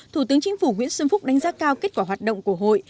thủ tướng chính phủ nguyễn xuân phúc đánh giá cao kết quả hoạt động của hội